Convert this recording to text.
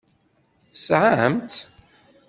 Tesɛam-tt?